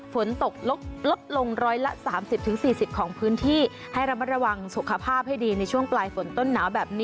ฝนตกลดลงร้อยละ๓๐๔๐ของพื้นที่ให้ระมัดระวังสุขภาพให้ดีในช่วงปลายฝนต้นหนาวแบบนี้